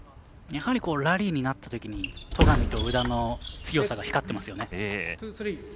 やはりラリーになったときに戸上と宇田の強さが光ってますよね。